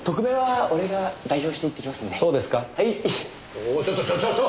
おいちょっとちょっと！